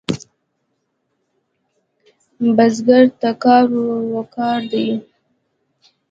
بزګر ته کار وقار دی